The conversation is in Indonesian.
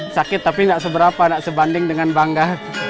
sakit tapi tidak seberapa tidak sebanding dengan bangga